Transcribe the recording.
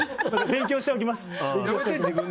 勉強しておきます。